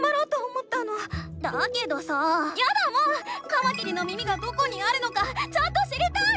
カマキリの耳がどこにあるのかちゃんと知りたい！